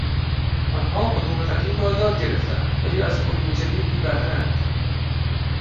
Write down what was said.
آنها علوم قدیم را یاد گرفتهاند ولی از علوم جدید بیبهرهاند.